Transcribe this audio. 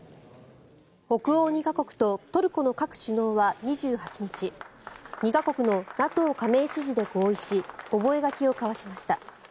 北欧２か国とトルコの各首脳は２８日２か国のＮＡＴＯ加盟支持で合意し、覚書を交わしました。